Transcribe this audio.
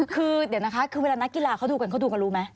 คือเดี๋ยวนะคะคือเวลานักกีฬาเขาดูกันเขาดูกันรู้ไหม